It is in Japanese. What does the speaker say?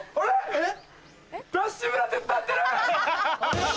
えっ？